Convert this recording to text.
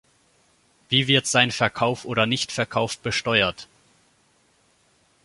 Wie wird sein Verkauf oder Nichtverkauf besteuert?